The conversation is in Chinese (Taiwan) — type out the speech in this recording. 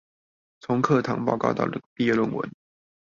從課堂報告到畢業論文